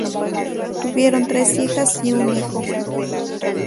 Tuvieron tres hijas y un hijo.